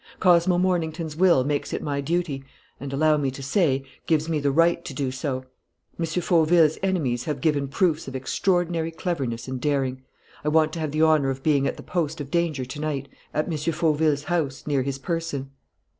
Cosmo Mornington's will makes it my duty and, allow me to say, gives me the right to do so. M. Fauville's enemies have given proofs of extraordinary cleverness and daring. I want to have the honour of being at the post of danger to night, at M. Fauville's house, near his person."